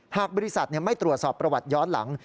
หากบริษัทไม่ตรวจสอบประวัติย้อนหลัง